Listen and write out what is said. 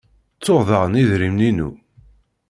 Ttuɣ daɣen idrimen-inu.